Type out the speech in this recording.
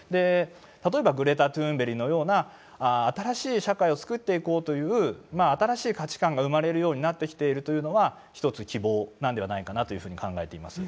例えばグレタ・トゥーンベリのような新しい社会を作っていこうという新しい価値観が生まれるようになってきているというのは一つ希望なんではないかなというふうに考えています。